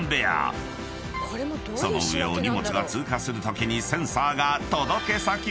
［その上を荷物が通過するときにセンサーが］